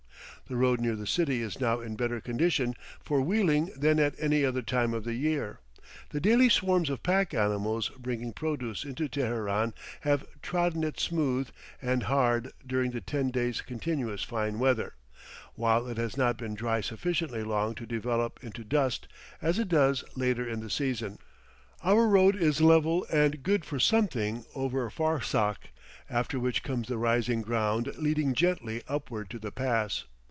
The road near the city is now in better condition for wheeling than at any other time of the year; the daily swarms of pack animals bringing produce into Teheran have trodden it smooth and hard during the ten days' continuous fine weather, while it has not been dry sufficiently long to develop into dust, as it does later in the season. Our road is level and good for something over a farsakh, after which comes the rising ground leading gently upward to the pass.